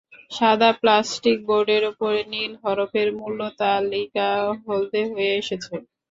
সাদা প্লাস্টিক বোর্ডের ওপর নীল হরফের মূল্য তালিকা হলদে হয়ে এসেছে।